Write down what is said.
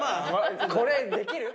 これできる？